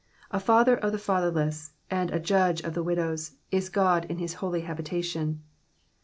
5 A father of the fatherless, and a judge of the widows, ts God in his holy habitation.